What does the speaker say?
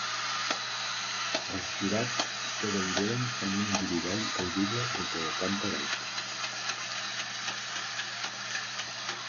Els jurats que deliberen fan un guirigall audible des de la planta baixa.